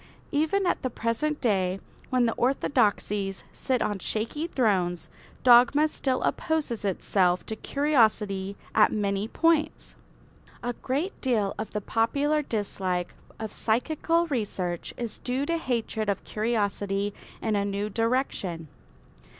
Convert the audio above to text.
Even at the present day, when the orthodoxies sit on shaky thrones, dogma still opposes itself to curiosity at many points. A great deal of the popular dislike of psychical research is due to hatred of curiosity in a new direction.